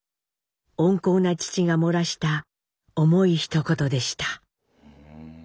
温厚な父がもらした重いひと言でした。